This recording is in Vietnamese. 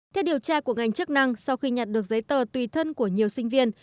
theo điều tra của ngành chức năng sau khi nhặt được giấy tờ tùy thân của nhiều sinh viên